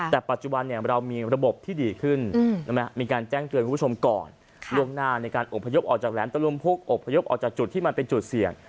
แต่ปัจจุบันเรามีระบบที่ดีขึ้นมีการแจ้งเตือนคุณผู้ชมก่อนล่วงหน้าในการอบพยพออกจากแหลมตะลุมพุกอบพยพออกจากจุดที่มันเป็นจุดเสี่ยง